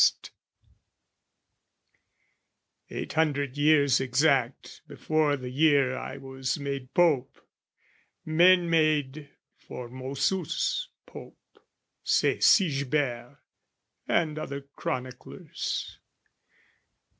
Eight hundred years exact before the year I was made Pope, men made Formosus Pope, Say Sigebert and other chroniclers.